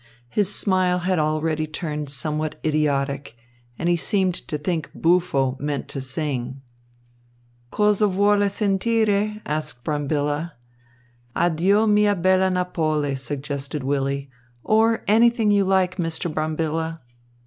His smile had already turned somewhat idiotic, and he seemed to think "buffo" meant "to sing." "Cosa vuole sentire?" asked Brambilla. "'Addio mia bella Napoli,'" suggested Willy, "or anything you like, Mr. Brambilla."